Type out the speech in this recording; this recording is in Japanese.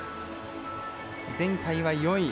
前回は４位。